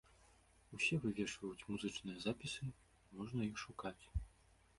Усе вывешваюць музычныя запісы, і можна іх шукаць.